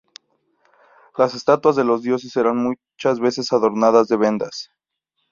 Las estatuas de los dioses eran muchas veces adornadas de vendas.